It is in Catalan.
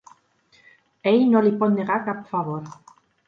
Ell no li pot negar cap favor.